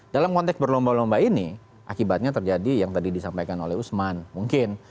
dalam konteks berlomba lomba ini akibatnya terjadi yang tadi disampaikan oleh usman mungkin